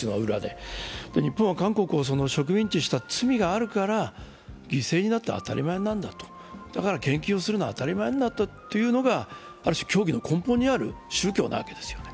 日本は韓国を植民地にした罪があるから犠牲になって当たり前なんだと、だから献金をするのは当たり前なんだというのが、ある種、教義の根本にある宗教なわけですね。